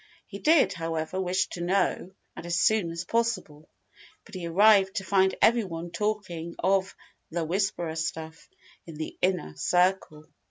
He did, however, wish to know, and as soon as possible. But he arrived to find everyone talking of "the 'Whisperer' stuff" in the Inner Circle.